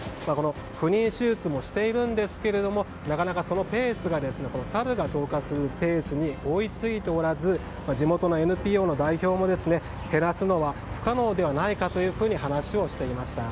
不妊手術もしていますがそのペースがサルが増加するペースに追いついておらず地元のＮＰＯの代表も減らすのは不可能ではないかと話をしていました。